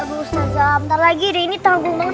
eh ustadzah bentar lagi deh ini tanggung tanggung